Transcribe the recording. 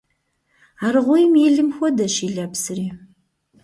Аргъуейм и лым хуэдэщ и лэпсри.